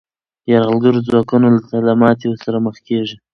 یرغلګر ځواکونه تل له ماتې سره مخ کېږي.